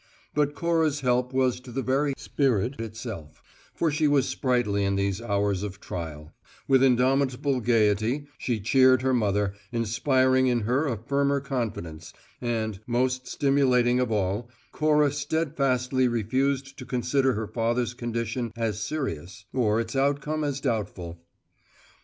But Cora's help was to the very spirit itself, for she was sprightly in these hours of trial: with indomitable gayety she cheered her mother, inspiring in her a firmer confidence, and, most stimulating of all, Cora steadfastly refused to consider her father's condition as serious, or its outcome as doubtful.